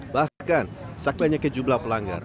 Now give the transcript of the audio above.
bahkan sekelanya kejumlah pelanggar